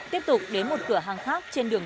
trước thời điểm dụng chứng